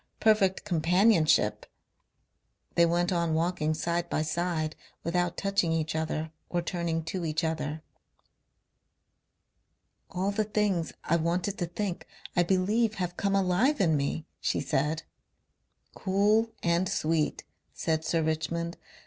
perfect companionship...." They went on walking side by side, without touching each other or turning to each other. "All the things I wanted to think I believe have come alive in me," she said.... "Cool and sweet," said Sir Richmond.